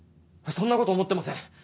そんなこと思ってません！